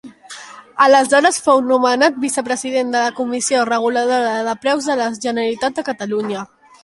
Aleshores fou nomenat vicepresident de la Comissió Reguladora de Preus de la Generalitat de Catalunya.